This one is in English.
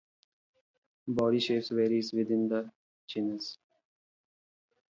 Body shape varies within the genus.